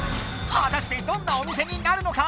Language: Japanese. はたしてどんなお店になるのか？